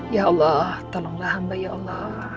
ya allah tolonglah hamba ya allah